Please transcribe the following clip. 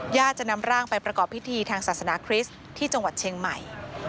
จะนำร่างไปประกอบพิธีทางศาสนาคริสต์ที่จังหวัดเชียงใหม่